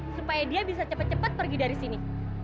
supaya dia bisa cepet cepet pergi dari sini